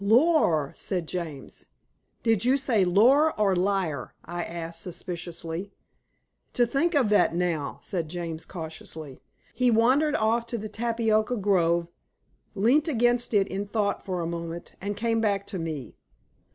"Lor'!" said James. "Did you say 'lor'' or 'liar'?" I asked suspiciously. "To think of that now," said James cautiously. He wandered off to the tapioca grove, leant against it in thought for a moment, and came back to me.